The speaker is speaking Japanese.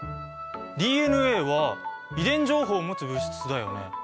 ＤＮＡは遺伝情報を持つ物質だよね。